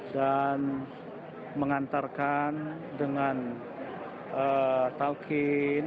dan mengantarkan dengan taukin